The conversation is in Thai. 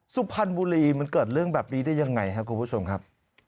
สุพรรณบุรีมันเกิดเรื่องแบบนี้ได้ยังไงครับคุณผู้ชมครับ